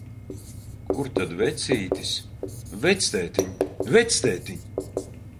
Kur tad vecītis? Vectētiņ, vectētiņ!